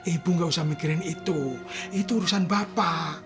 ibu gak usah mikirin itu itu urusan bapak